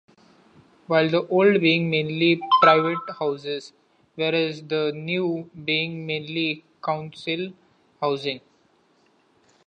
With the 'old' being mainly private houses whereas the 'new' being mainly council housing.